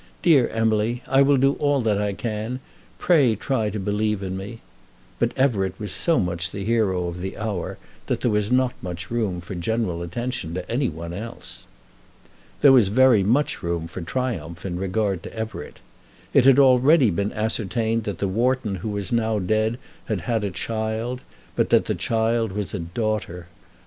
"Dear Emily, I will do all that I can. Pray try to believe in me." But Everett was so much the hero of the hour, that there was not much room for general attention to any one else. There was very much room for triumph in regard to Everett. It had already been ascertained that the Wharton who was now dead had had a child, but that the child was a daughter.